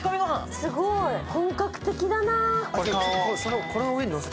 すごい、本格的だな。